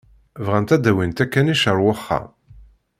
Bɣant ad d-awint akanic ar wexxam.